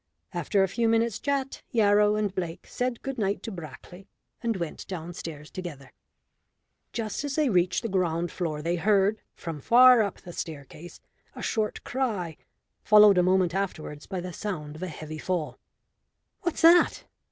After a few minutes' chat Yarrow and Blake said good night to Brackley, and went downstairs together. Just as they reached the ground floor they heard, from far up the staircase, a short cry, followed a moment afterwards by the sound of a heavy fall. "What's that?"